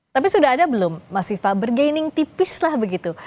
tapi sudah ada belum mas viva bergaining tipis lah begitu